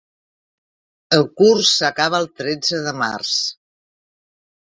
El curs s'acaba el tretze de març.